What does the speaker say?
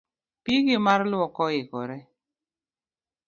Pigi mar luok oikore